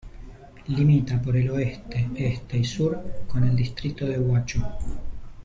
Limita por el oeste, este y sur con el distrito de Huacho.